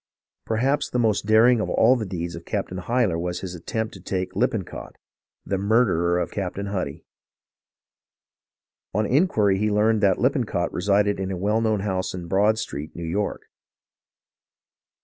Perhaps the most daring of all the deeds of Captain Hyler was his attempt to take Lippencott, the murderer of Cap tain Huddy. "On inquiry he learned that Lippencott resided in a well known house in Broad Street, New York.